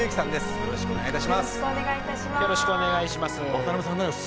よろしくお願いします。